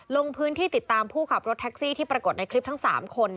ลงพื้นที่ติดตามผู้ขับรถแท็กซี่ที่ปรากฏในคลิปทั้ง๓คน